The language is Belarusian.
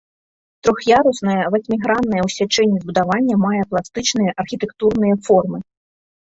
Трох'яруснае васьміграннае ў сячэнні збудаванне мае пластычныя архітэктурныя формы.